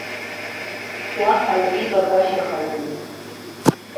Уаҳа иреибагашьахазеи?